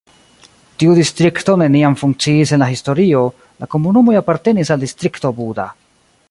Tiu distrikto neniam funkciis en la historio, la komunumoj apartenis al Distrikto Buda.